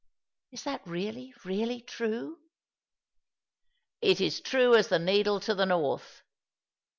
" Is that really, really true ?"" It is true as the needle to the north."